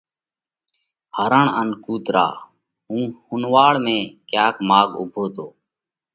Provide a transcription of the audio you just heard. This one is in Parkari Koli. هرڻ ان ڪُوترا: هُون ۿُونَواڙ ۾ ڪياڪ ماڳ اُوڀو تو۔